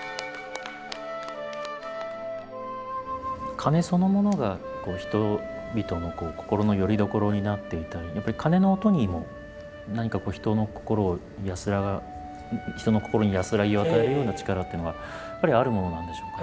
鐘そのものが人々の心のよりどころになっていたりやっぱり鐘の音にも何か人の心を人の心に安らぎを与えるような力っていうのがやっぱりあるものなんでしょうか？